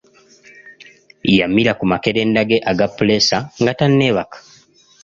Yamira ku makerenda ge aga puleesa nga tanneebaka.